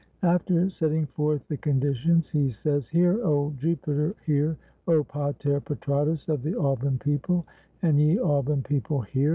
After setting forth the conditions, he says: "Hear, O Jupiter; hear, O pater patratus of the Alban people ; and ye, Alban people, hear.